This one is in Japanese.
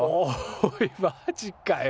おいマジかよ！？